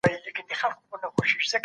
دوی نړۍ ته وښودله چي افغانان استعداد لري.